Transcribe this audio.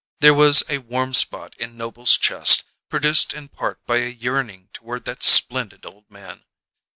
There was a warm spot in Noble's chest, produced in part by a yearning toward that splendid old man.